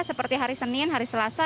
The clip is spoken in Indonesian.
seperti hari senin hari selasa